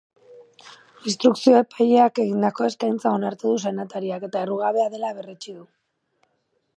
Instrukzio epaileak egindako eskaintza onartu du senatariak, eta errugabea dela berretsi du.